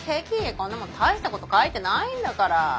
こんなもん大したこと書いてないんだから。